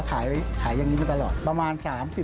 คุณเดี่ยวนะครับ